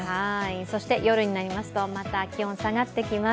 そして夜になりますと、また気温下がってきます。